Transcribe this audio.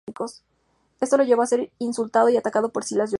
Esto lo llevó a ser insultado y atacado por Silas Young.